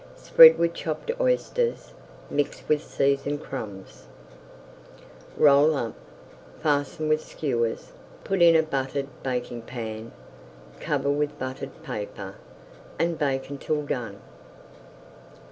Spread with chopped oysters mixed with seasoned crumbs, roll up, fasten with skewers, put in a buttered baking pan, cover with buttered paper, and bake until done.